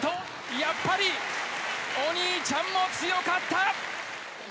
やっぱりお兄ちゃんも強かった。